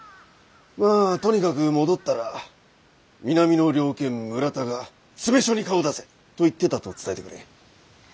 まあとにかく戻ったら南の猟犬村田が「詰め所に顔を出せと言ってた」と伝えてくれ。